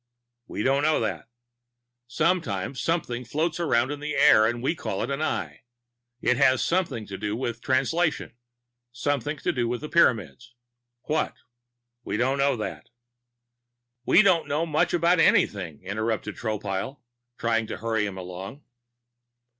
We don't know that. Sometimes something floats around in the air and we call it an Eye. It has something to do with Translation, something to do with the Pyramids. What? We don't know that." "We don't know much of anything," interrupted Tropile, trying to hurry him along.